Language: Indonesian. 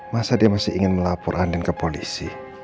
masa dia masih ingin melapor andien ke polis